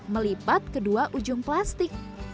melipat kedua ujung plastik